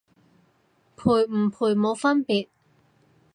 賠唔賠冇分別